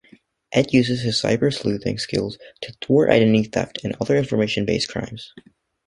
Ed uses his cyber sleuthing skills to thwart identity theft and other information-based crimes.